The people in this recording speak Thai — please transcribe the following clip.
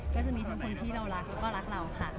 ก็จะมีทั้งคนที่เรารักแล้วก็รักเราค่ะ